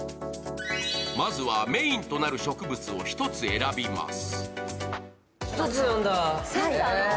まずは、メインとなる植物を１つ選びます。